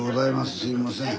すいません。